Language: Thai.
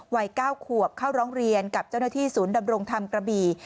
วัย๙ขวบเข้าร้องเรียนกับเจ้าหน้าที่ศูนย์ดำรงธรรมกระบี่